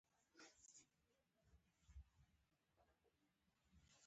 د فایبروایډ د رحم ښه تومور دی.